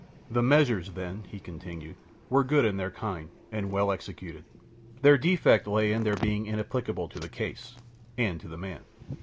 "The measures, then," he continued, "were good in their kind, and well executed; their defect lay in their being inapplicable to the case and to the man.